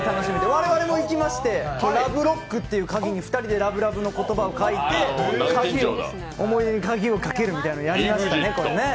我々も行きましてラブロックという鍵に２人でラブラブの言葉を書いて思い出の鍵をかけるみたいなやりましたね、これね。